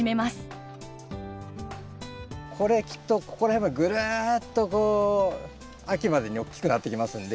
これきっとここら辺までぐるっとこう秋までにおっきくなってきますんで。